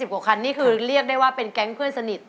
กว่าคันนี่คือเรียกได้ว่าเป็นแก๊งเพื่อนสนิท